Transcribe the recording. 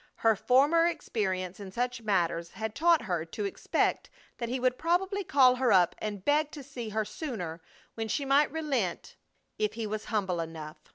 Her former experience in such matters had taught her to expect that he would probably call her up and beg to see her sooner, when she might relent if he was humble enough.